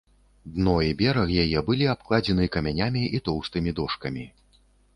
Дно і бераг яе былі абкладзены камянямі і тоўстымі дошкамі.